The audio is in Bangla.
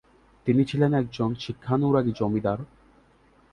তিনি ছিলেন একজন শিক্ষানুরাগী জমিদার।